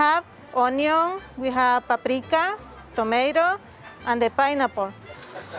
karena di sini kami memiliki bawang paprika tomato dan kacang merah